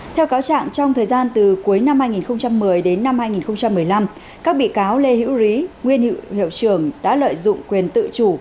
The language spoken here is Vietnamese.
theo cáo trạng trong thời gian từ cuối năm hai nghìn một mươi đến năm hai nghìn một mươi năm các bị cáo lê hữu rí nguyên hiệu trưởng đã lợi dụng quyền tự chủ